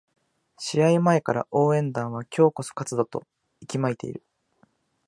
試合前から応援団は今日こそは勝つぞと息巻いている